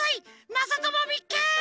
まさともみっけ！